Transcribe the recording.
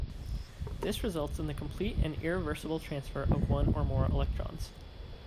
This results in the complete and irreversible transfer of one or more electrons.